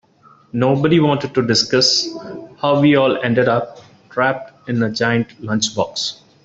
Nobody wanted to discuss how we all ended up trapped in a giant lunchbox.